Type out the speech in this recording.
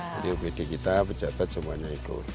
jadi opd kita pejabat semuanya ikut